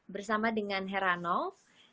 bersama dengan heranov